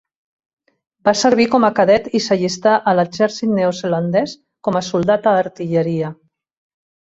Va servir com a cadet i s'allistà a l'Exèrcit Neozelandès com a soldat a artilleria.